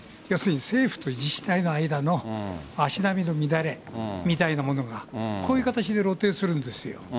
要するに、政府と自治体の間の足並みの乱れみたいなものが、こういう形で露呈するんですよ。